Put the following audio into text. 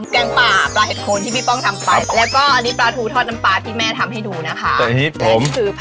กางปลาปลาเห็ดโฮนที่พี่ป้องทำไป